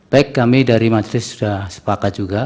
baik kami dari majelis sudah sepakat juga